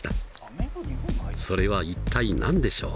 それは一体何でしょう？